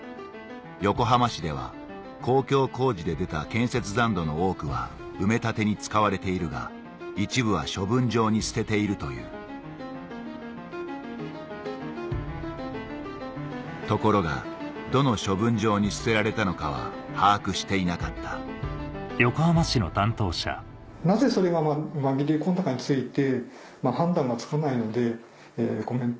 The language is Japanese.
横浜市では公共工事で出た建設残土の多くは埋め立てに使われているが一部は処分場に捨てているというところがどの処分場に捨てられたのかは把握していなかったこれまでですね。